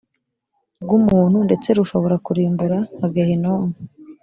bw umuntu ndetse rushobora kurimbura nka gehinomu